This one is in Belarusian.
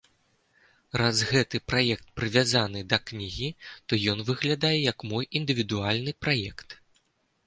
Раз гэты праект прывязаны да кнігі, тог ён выглядае як мой індывідуальны праект.